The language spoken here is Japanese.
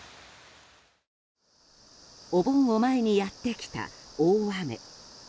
お盆を前にやってきた大雨。